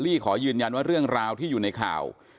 ี่ขอยืนยันว่าเรื่องราวที่อยู่ในข่าว